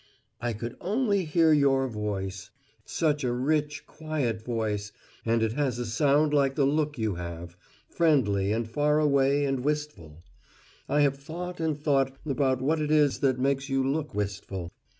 I could only hear Your voice such a rich, quiet voice, and it has a sound like the look you have friendly and faraway and wistful. I have thought and thought about what it is that makes you look wistful.